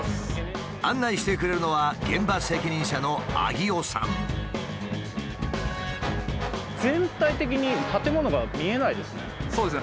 案内してくれるのは全体的に建物が見えないですね。